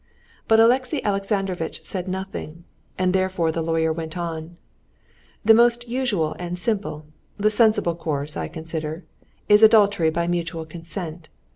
But Alexey Alexandrovitch said nothing, and therefore the lawyer went on: "The most usual and simple, the sensible course, I consider, is adultery by mutual consent.